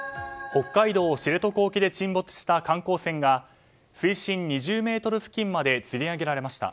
北海道知床沖で沈没した観光船が水深２０ｍ付近にまでつり上げられました。